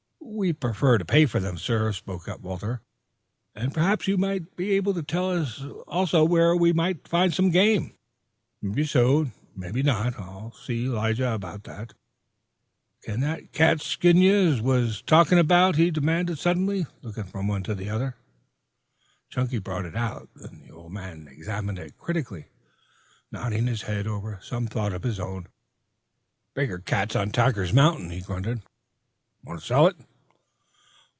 "We prefer to pay for them, sir," spoke up Walter. "And perhaps you may be able to tell us, also, where we may hope to find game?" "Mebby so and mebby not. I'll see Lige about that. Got that cat skin ye was talking about?" he demanded suddenly, looking from one to the other. Chunky brought it out, the old man examining it critically, nodding his head over some thought of his own. "Bigger cats on Tacker's mountain," he grunted. "Want to sell it?"